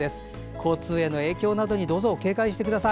交通への影響などにどうぞ警戒してください。